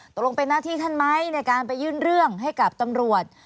ตกลงเป็นหน้าที่ท่านไหมในการไปยื่นเรื่องให้กับตำรวจ